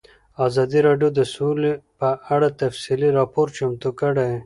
ازادي راډیو د سوله په اړه تفصیلي راپور چمتو کړی.